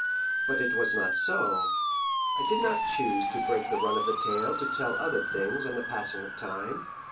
But it was not so. I did not choose to break the run of the tale to tell of other things and of the passing of time.